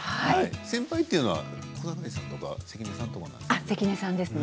先輩というのは小堺さんとか関根さんとかですか？